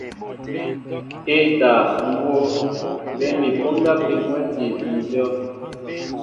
E᷇ taa, ŋ̀ hów, bé mi póndá pē mwɛ́ti ni ajow.